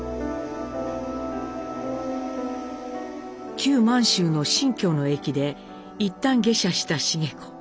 旧満州の新京の駅でいったん下車した繁子。